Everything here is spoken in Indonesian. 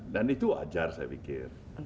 dan itu wajar saya pikir